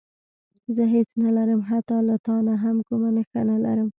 زه هېڅ نه لرم حتی له تا نه هم کومه نښه نه لرم.